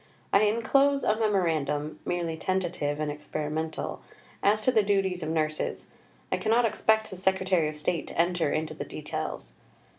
I enclose a memorandum (merely tentative and experimental) as to the duties of nurses. I cannot expect the Secretary of State to enter into the details.